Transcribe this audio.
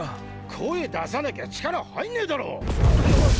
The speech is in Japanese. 声出さなきゃ力入んねぇんだろ！っ！